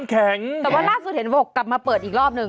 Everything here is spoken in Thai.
แต่ว่าล่าสุดเห็นบอกกลับมาเปิดอีกรอบหนึ่ง